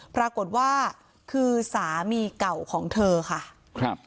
ปรากฏว่าคือสามีเก่าของเธอค่ะครับ